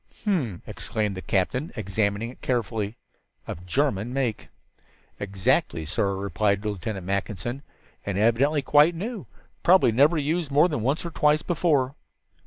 "H'm," exclaimed the captain, examining it carefully. "Of German make." "Exactly, sir," replied Lieutenant Mackinson, "and evidently quite new probably never used more than once or twice before."